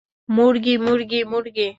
মুরগি, মুরগি, মুরগি!